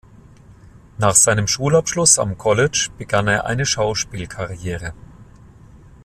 Nach seinem Schulabschluss am College begann er eine Schauspielkarriere.